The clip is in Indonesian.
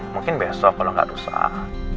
mungkin besok kalau nggak rusak